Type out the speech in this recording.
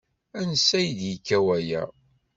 Ansa i d-yekka waya?